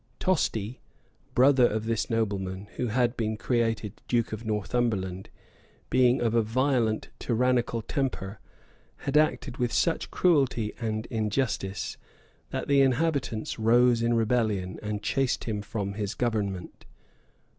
Tosti, brother of this nobleman, who had been created duke of Northumberland, being of a violent, tyrannical temper, had acted with such cruelty and injustice, that the inhabitants rose in rebellion, and chased him from his government.